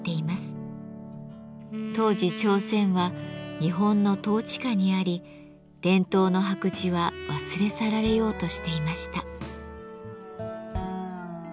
当時朝鮮は日本の統治下にあり伝統の白磁は忘れ去られようとしていました。